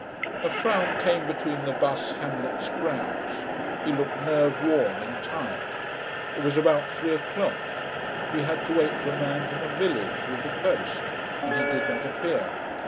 A frown came between the bus Hamlet's brows. He looked nerve worn and tired. It was about three o'clock. We had to wait for a man from a village, with the post. And he did not appear.